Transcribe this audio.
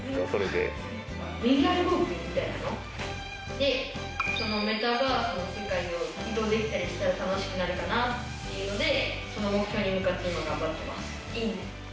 でそのメタバースの世界を移動できたりしたら楽しくなるかなっていうのでその目標に向かって今頑張ってます。